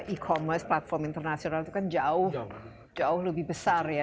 e commerce platform internasional itu kan jauh lebih besar ya